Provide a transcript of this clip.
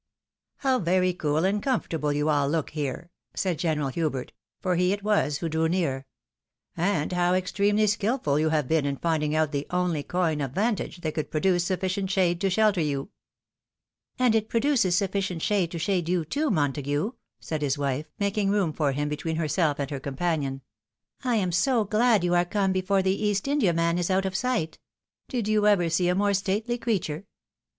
Plow very cool and comfortable you all look here I " said General Hubert — for he it was who drew near; "and how extremely skilful you have been in finding out the only ' coigne of vantage ' that could produce sufficient shade to shelter you!" " And it produces sufficient to shade you too, Montague," said his wife, making room for him between herself and her companion. "I am so glad you are come before the East Indiaman is out of sight ! Did you ever see a more stately creature